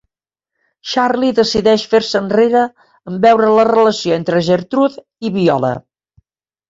Charlie decideix fer-se enrere en veure la relació entre Gertrude i Viola.